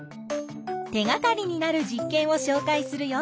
手がかりになる実験をしょうかいするよ。